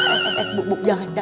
eh eh eh bu bu jangan